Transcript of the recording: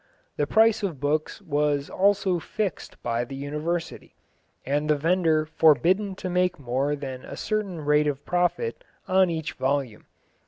The price of books was also fixed by the University, and the vendor forbidden to make more than a certain rate of profit on each volume.